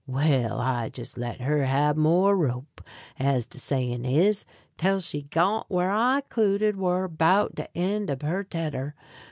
Well, I jes' let her hab more rope, as de sayin' is, tell she got whar I 'cluded war 'bout de end ob her tedder.